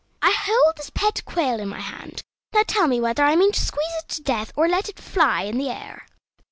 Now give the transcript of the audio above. I hold this pet quail in my hand; now tell me whether I mean to squeeze it to death, or to let it fly in the air."